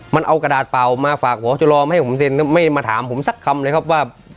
มันเอากระดาษเปล่ามาฝากหัวจะรอไม่ให้ผมเซ็นไม่มาถามผมสักคำเลยครับว่า